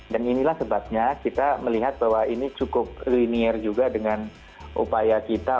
dan inilah sebabnya kita melihat bahwa ini cukup linier juga dengan upaya kita